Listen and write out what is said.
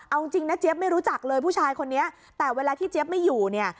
เอาจริงนะเจี๊ยบไม่รู้จักเลยผู้ชายคนนี้แต่เวลาที่เจี๊ยบไม่อยู่เนี่ย